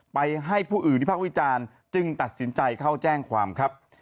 ให้ผู้อื่นวิพากษ์วิจารณ์จึงตัดสินใจเข้าแจ้งความครับ